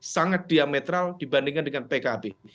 sangat diametral dibandingkan dengan pkb